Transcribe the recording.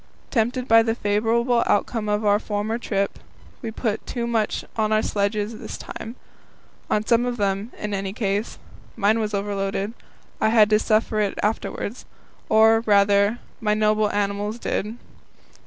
Tempted by the favourable outcome of our former trip, we put too much on our sledges this time on some of them, in any case. Mine was overloaded. I had to suffer for it afterwards or, rather, my noble animals did.